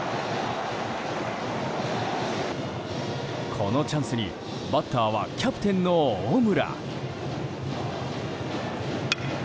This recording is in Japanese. このチャンスにバッターはキャプテンの大村。